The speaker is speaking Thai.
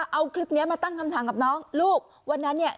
เอาคลิปนี้มาตั้งคำถามกับน้องลูกวันนั้นเนี่ย